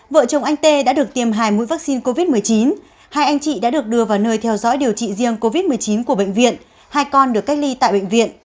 vợ chồng anh tê đã được tiêm hai mũi vaccine covid một mươi chín hai anh chị đã được đưa vào nơi theo dõi điều trị riêng covid một mươi chín của bệnh viện hai con được cách ly tại bệnh viện